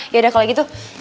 yaudah kalau gitu